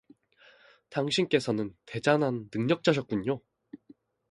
당신께서는 대단한 능력자셨군요!